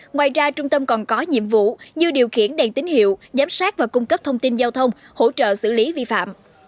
ngoài ra trung tâm còn có nhiệm vụ như điều khiển đèn tín hiệu giám sát và cung cấp thông tin giao thông hỗ trợ xử lý vi phạm